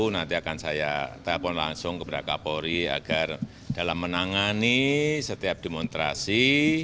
nanti akan saya telepon langsung kepada kapolri agar dalam menangani setiap demonstrasi